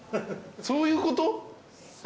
そういうこと？